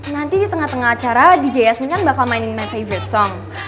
nanti di tengah tengah acara dj yasmin kan bakal mainin messa ivert song